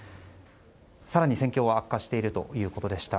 更に戦況は悪化しているということでした。